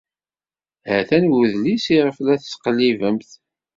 Ha-t-an udlis iɣef la tettqellibemt.